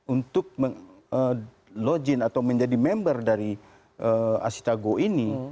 untuk login atau menjadi member dari asitago ini